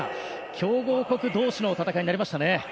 強豪国同士の戦いになりましたね。